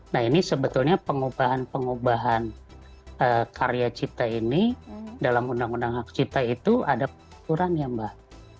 nah ini sebetulnya pengubahan pengubahan karya cipta ini dalam undang undang hak cipta itu ada aturannya mbak